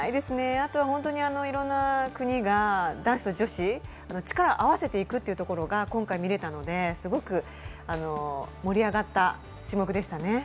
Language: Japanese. あとは本当にいろんな国が女子と男子力を合わせていくというところが今回見られたのですごく、盛り上がった種目でしたね。